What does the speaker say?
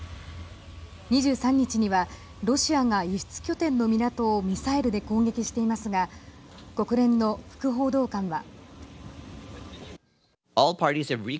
２３日にはロシアが輸出拠点の港をミサイルで攻撃していますが国連の副報道官は。